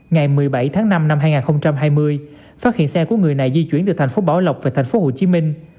ngày một mươi bảy tháng năm năm hai nghìn hai mươi phát hiện xe của người này di chuyển từ thành phố bảo lộc về thành phố hồ chí minh